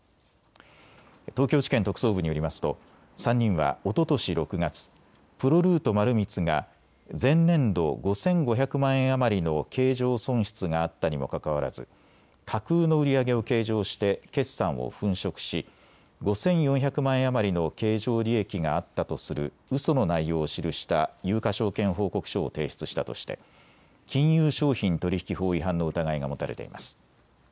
東京地検特捜部によりますと３人はおととし６月、プロルート丸光が前年度５５００万円余りの経常損失があったにもかかわらず架空の売り上げを計上して決算を粉飾し５４００万円余りの経常利益があったとするうその内容を記した有価証券報告書を提出したとして金融商品取引法違反の疑いが持たれています。